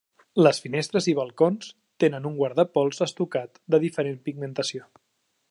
Les finestres i balcons tenen un guardapols estucat de diferent pigmentació.